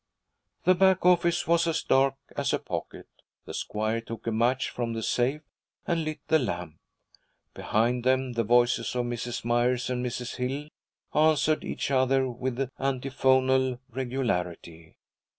The back office was as dark as a pocket. The squire took a match from the safe, and lit the lamp. Behind them the voices of Mrs. Myers and Mrs. Hill answered each other with antiphonal regularity.